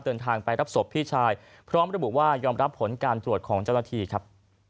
เดินทางไปรับศพพี่ชายพร้อมระบุว่ายอมรับผลการตรวจของเจ้าหน้าที่ครับ